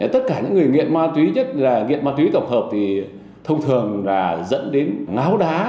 tất cả những người nghiện ma túy nhất là nghiện ma túy tổng hợp thì thông thường là dẫn đến ngáo đá